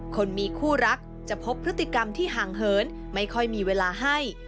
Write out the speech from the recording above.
คนมีคู่รักจะพบพฤติกรรมที่ห่างเหินไม่ค่อยมีเวลาให้